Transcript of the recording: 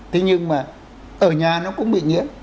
thế nhưng mà ở nhà nó cũng bị nhiễm